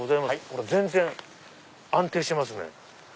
ほら全然安定してますね。